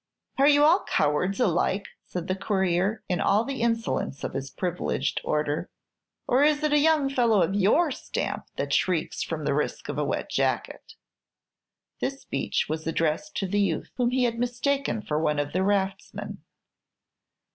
"Are you all cowards alike?" said the courier, in all the insolence of his privileged order; "or is it a young fellow of your stamp that shrinks from the risk of a wet jacket?" This speech was addressed to the youth, whom he had mistaken for one of the raftsmen.